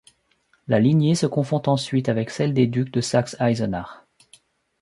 La lignée se confond ensuite avec celle des duc de Saxe-Eisenach.